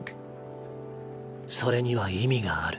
それには意味がある。